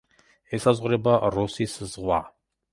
ესაზღვრება როსის ზღვა.